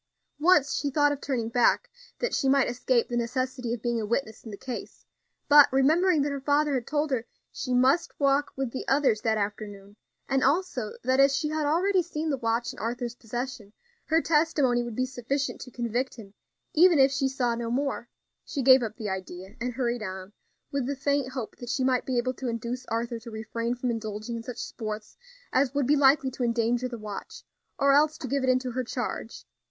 Once she thought of turning back, that she might escape the necessity of being a witness in the case; but, remembering that her father told her she must walk with the others that afternoon, and also that, as she had already seen the watch in Arthur's possession, her testimony would be sufficient to convict him even if she saw no more, she gave up the idea, and hurried on, with the faint hope that she might be able to induce Arthur to refrain from indulging in such sports as would be likely to endanger the watch; or else to give it into her charge.